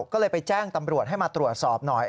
ก็เลยไปแจ้งตำรวจให้มาตรวจสอบหน่อย